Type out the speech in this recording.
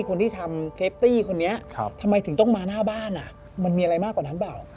คนที่ทำเซฟตี้คนนี้ทำไมถึงต้องมาหน้าบ้านมันมีอะไรมากกว่านั้นเปล่า